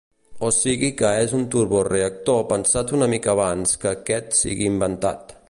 O sigui que és un turboreactor pensat una mica abans que aquest sigui inventat.